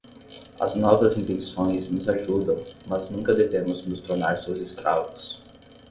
As novas invenções nos ajudam, mas nunca devemos nos tornar seus escravos.